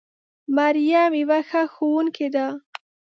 مريم يوه ښه ښوونکې ده